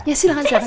ya silahkan silahkan